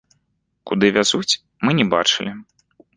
Куды вязуць, мы не бачылі.